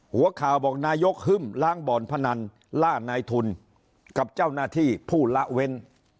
หัวข่าวบอกนายกฮึ่มล้างบ่อนพนันล่านายทุนกับเจ้าหน้าที่ผู้ละเว้น